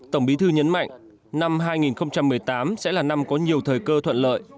tổng bí thư nhấn mạnh năm hai nghìn một mươi tám sẽ là năm có nhiều thời cơ thuận lợi